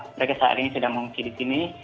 mereka saat ini sedang mengungsi di sini